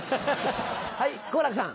はい好楽さん。